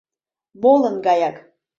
— Молын гаяк.